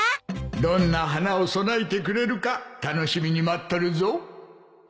どんな花を供えてくれるか楽しみに待っとるぞ。